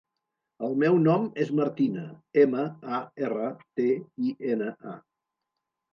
El meu nom és Martina: ema, a, erra, te, i, ena, a.